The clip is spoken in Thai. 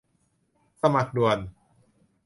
สมัครด่วน